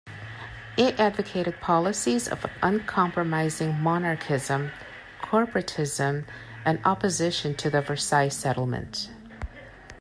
It advocated policies of uncompromising monarchism, corporatism, and opposition to the Versailles settlement.